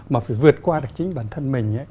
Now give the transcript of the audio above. mà phải vượt qua là chính bản thân mình